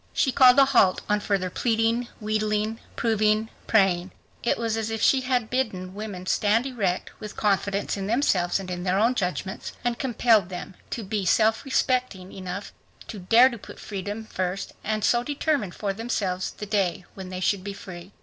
She called a halt on further pleading, wheedling, proving, praying. It was as if she had bidden women stand erect, with confidence in themselves and in their own judgments, and compelled them to be self respecting enough to dare to put their freedom first, and so determine for themselves the day when they should be free.